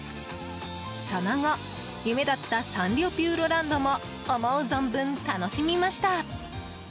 その後、夢だったサンリオピューロランドも思う存分楽しみました。